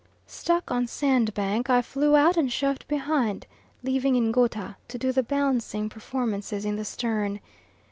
Stuck on sandbank I flew out and shoved behind, leaving Ngouta to do the balancing performances in the stern.